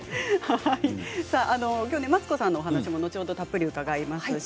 マツコさんのお話も後ほどたっぷり伺います。